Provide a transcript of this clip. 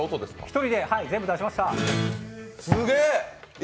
１人で全部出しました。